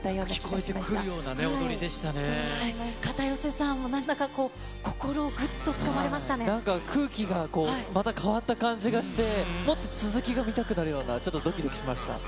聞こえてくるような踊りでし片寄さん、なんだかこう、なんか空気がこう、また変わった感じがして、もっと続きが見たくなるような、ちょっとどきどきしました。